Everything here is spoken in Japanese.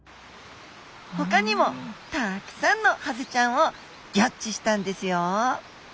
ほかにもたくさんのハゼちゃんをギョっちしたんですよ。